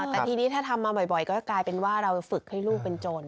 แต่ทีนี้ถ้าทำมาบ่อยก็กลายเป็นว่าเราฝึกให้ลูกเป็นโจร